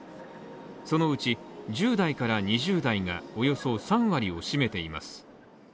そのうち１０代から２０代がおよそ３割を占めています。